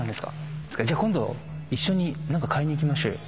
じゃあ今度一緒に買いに行きましょうよ